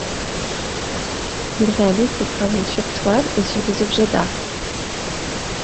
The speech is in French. Il réalise ses travaux sur toiles et sur des objets d'arts.